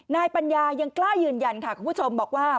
ปัญญายังกล้ายืนยันค่ะคุณผู้ชมบอกว่า